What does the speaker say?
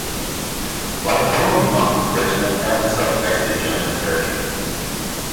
By the following month the regiment found itself based in German territory.